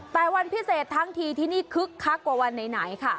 แต่วันพิเศษทั้งทีที่นี่คึกคักกว่าวันไหนค่ะ